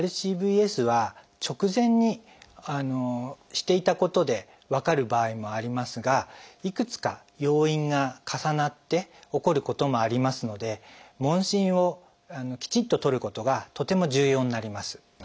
ＲＣＶＳは直前にしていたことで分かる場合もありますがいくつか要因が重なって起こることもありますので問診をきちっととることがとても重要になります。